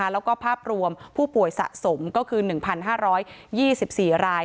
แล้วก็ภาพรวมผู้ป่วยสะสมก็คือ๑๕๒๔ราย